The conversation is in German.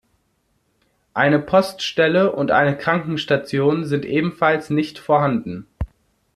Eine Poststelle und eine Krankenstation sind ebenfalls nicht vorhanden.